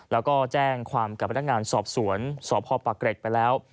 แล้วก็แจ้งความกับพนักงานสอบสวนสพปะเกร็ดไปแล้ว